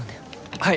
はい！